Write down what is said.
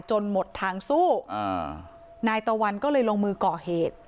หมดทางสู้อ่านายตะวันก็เลยลงมือก่อเหตุ